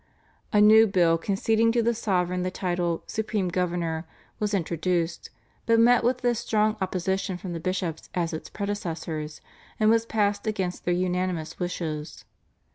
A new bill conceding to the sovereign the title "supreme governor" was introduced, but met with as strong opposition from the bishops as its predecessors, and was passed against their unanimous wishes.